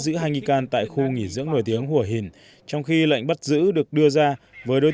giữ hai nghi can tại khu nghỉ dưỡng nổi tiếng hùa hình trong khi lệnh bắt giữ được đưa ra với đối